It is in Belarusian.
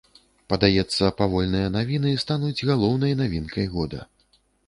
Падаецца, павольныя навіны стануць галоўнай навінкай года.